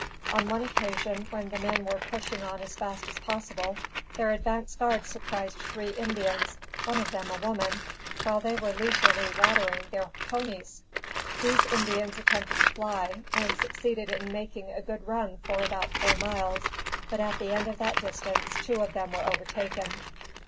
On one occasion, when the men were pushing on as fast as possible, their advance guard surprised three Indians, one of them a woman, while they were leisurely watering their ponies. These Indians attempted to fly, and succeeded in making a good run for about four miles, but, at the end of that distance, two of them were overtaken.